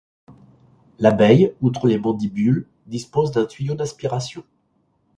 L'abeille, outre les mandibules, dispose d'un tuyau d'aspiration.